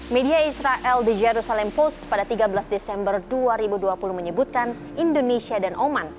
media israel di jerusalem post pada tiga belas desember dua ribu dua puluh menyebutkan indonesia dan oman